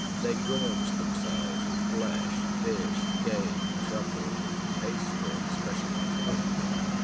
They gorged themselves with flesh, fish, game, truffles, pastry, and especially with fruit.